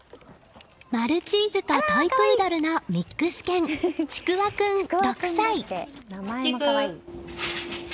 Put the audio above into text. マルチーズとトイプードルのミックス犬ちくわ君、６歳。